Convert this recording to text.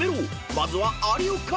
まずは有岡］